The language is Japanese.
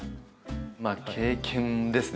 まあ経験ですね